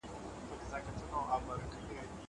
زه د کتابتوننۍ سره مرسته کړې ده!!